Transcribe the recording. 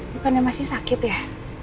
bukannya masih sakit ya